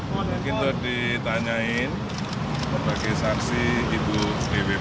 mungkin itu ditanyain sebagai saksi ibu dpp